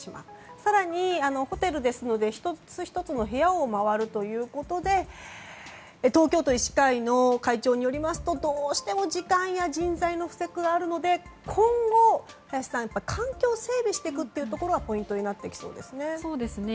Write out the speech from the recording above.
更に、ホテルですので１つ１つの部屋を回るということで東京都医師会の会長によりますとどうしても時間や人材の不足があるので今後、環境整備をしていくというところがポイントになってきそうですね。